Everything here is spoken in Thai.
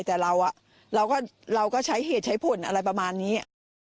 แต่เราก็ใช้เหตุใช้ผลอะไรประมาณนี้